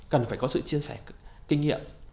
cần phải có sự chia sẻ kinh nghiệm